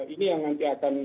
ini yang nanti akan